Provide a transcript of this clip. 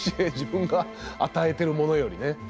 自分が与えてるものよりね。